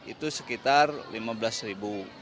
itu sekitar lima belas ribu